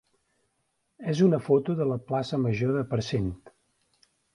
és una foto de la plaça major de Parcent.